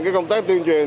cái công tác tuyên truyền